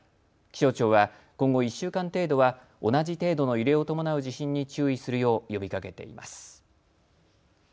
気象庁は今後１週間程度は同じ程度の揺れを伴う地震に注意するよう呼びかけています。